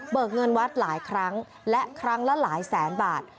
เงินวัดหลายครั้งและครั้งละหลายแสนบาท